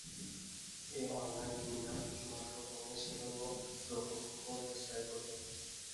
এই অন্যায় নিন্দা কিছুমাত্র কমে সেজন্য জগমোহন কোনো চেষ্টাই করিলেন না।